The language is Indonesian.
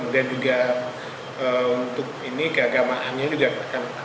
dan juga untuk keagamahannya